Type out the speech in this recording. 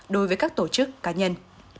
đối với các tổ chức cá nhân